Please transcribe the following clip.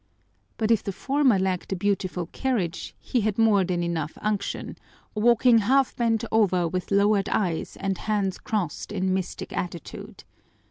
But if the former lacked a beautiful carriage he had more than enough unction, walking half bent over with lowered eyes and hands crossed in mystic attitude.